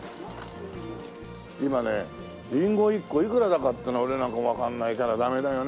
今ねリンゴ１個いくらだかっていうのを俺なんかわかんないからダメだよね。